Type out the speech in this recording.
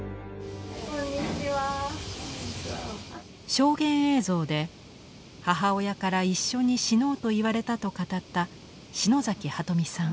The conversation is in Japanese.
証言映像で母親から一緒に死のうと言われたと語った篠崎鳩美さん。